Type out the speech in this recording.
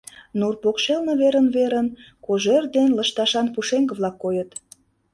Нур покшелне верын-верын кожер ден лышташан пушеҥге-влак койыт.